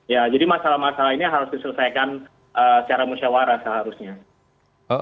ya jadi masalah masalah ini harus diselesaikan secara musyawarah seharusnya